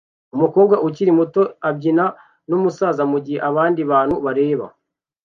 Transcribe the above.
Umukobwa ukiri muto abyinana numusaza mugihe abandi bantu bareba